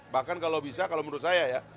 bahkan kalau bisa kalau menurut saya ya